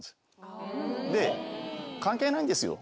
関係ないんですよ